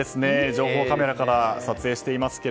情報カメラから撮影しています。